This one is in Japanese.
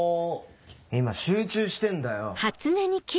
今集中してんだよ。